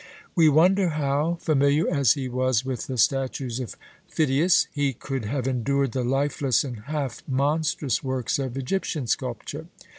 We wonder how, familiar as he was with the statues of Pheidias, he could have endured the lifeless and half monstrous works of Egyptian sculpture.